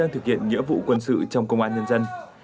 thực hiện nghĩa vụ quân sự trong công an nhân dân